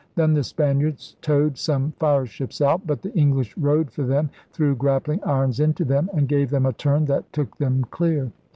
Then the Spaniards towed some fire ships out. But the English rowed for them, threw grappling irons into them, and gave them a turn that took them clear.